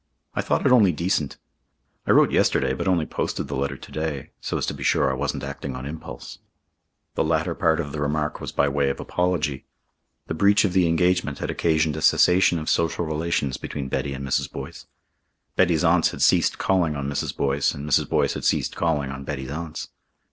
"I thought it only decent. I wrote yesterday, but only posted the letter to day, so as to be sure I wasn't acting on impulse." The latter part of the remark was by way of apology. The breach of the engagement had occasioned a cessation of social relations between Betty and Mrs. Boyce. Betty's aunts had ceased calling on Mrs. Boyce and Mrs. Boyce had ceased calling on Betty's aunts.